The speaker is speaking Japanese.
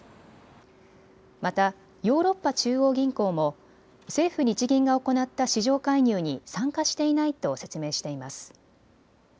またヨーロッパ中央銀行も政府・日銀が行った市場介入に参加していないと説明しています。